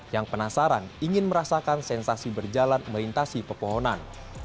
yang penasaran ingin merasakan sensasi berjalan melintasi pepohonan